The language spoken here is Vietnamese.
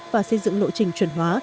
và xây dựng nội trình chuẩn hóa